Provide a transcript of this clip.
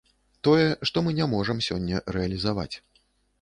Тое, што мы не можам сёння рэалізаваць.